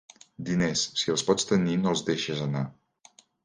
Diners, si els pots tenir, no els deixes anar.